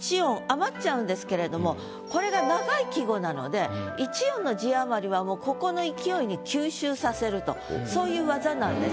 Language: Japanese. これが長い季語なので１音の字余りはもうここの勢いに吸収させるとそういう技なんです。